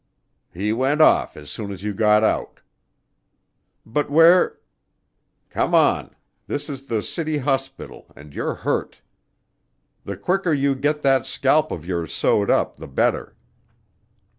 "He went off as soon as you got out." "But where " "Come on. This is the City Hospital and you're hurt. The quicker you get that scalp of yours sewed up the better."